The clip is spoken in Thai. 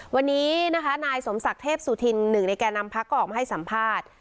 วันนี้นะคะนายสมศักดิ์เทพสุธินหนึ่งในแก่นำพักก็ออกมาให้สัมภาษณ์